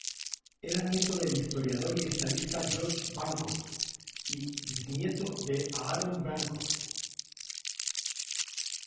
Era nieto del historiador y estadista George Bancroft y bisnieto de Aaron Bancroft.